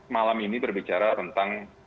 malam ini berbicara tentang